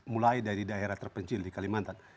mulai dari daerah terpencil di kalimantan